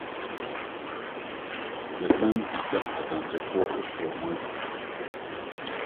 Yɛsan bisa Adansefo foforo adwene. ”